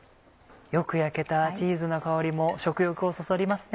よく焼けたチーズの香りも食欲をそそりますね。